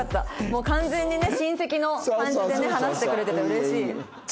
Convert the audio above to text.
もう完全にね親戚の感じでね話してくれてて嬉しい。